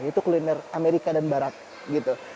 itu kuliner amerika dan barat gitu